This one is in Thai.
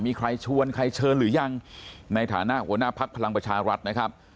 มีใครชวนใครเชิญหรือยังในฐานะหัวหน้าภักดิ์พลังประชารัฐนะครับ